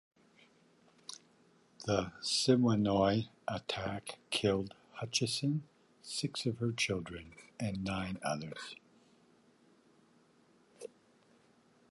The Siwanoy attack killed Hutchinson, six of her children, and nine others.